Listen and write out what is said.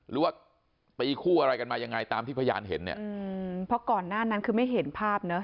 หรือว่าตีคู่อะไรกันมาอย่างไรตามที่พยานเห็นพอก่อนหน้านั้นคือไม่เห็นภาพเนอะ